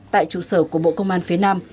tại trụ sở của bộ công an phía nam